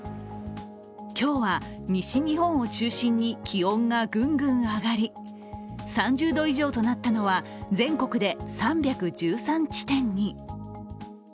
今日は西日本を中心に気温がぐんぐん上がり３０度以上となったのは全国で３１３地点に。